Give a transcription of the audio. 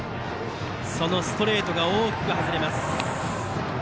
そのストレートが大きく外れました。